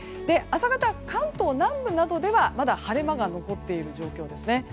朝方、関東南部などではまだ晴れ間が残っている状況ですね。